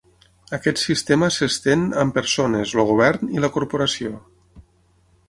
Aquest sistema s'estén amb persones, el govern, i la corporació.